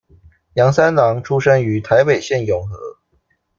楊三郎出生於台北縣永和